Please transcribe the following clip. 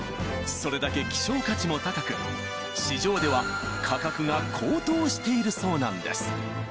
それだけ希少価値も高く市場では価格が高騰しているそうなんです